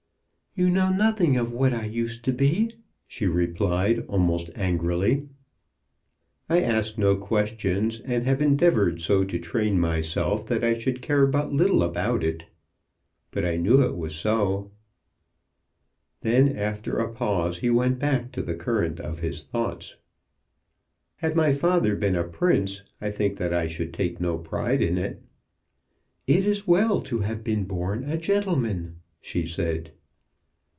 "You know nothing of what I used to be," she replied, almost angrily. "I ask no questions, and have endeavoured so to train myself that I should care but little about it. But I knew it was so." Then after a pause he went back to the current of his thoughts. "Had my father been a prince I think that I should take no pride in it." "It is well to have been born a gentleman," she said.